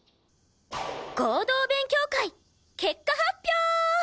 合同勉強会結果発表！